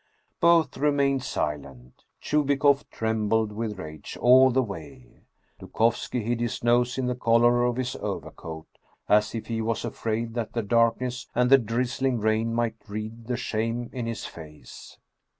Both remained silent. Chubikoff trembled with rage all the way. Dukovski hid his nose in the collar of his overcoat, as if he was afraid that the darkness and the drizzling rain might read the shame in his face.